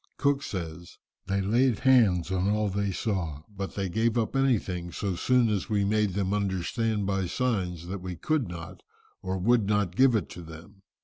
Cook says, "They laid hands on all they saw, but they gave up anything so soon as we made them understand by signs that we could not, or would not give it to them.